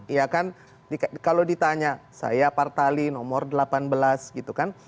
iya kan kalau ditanya saya partali nomor delapan belas gitu kan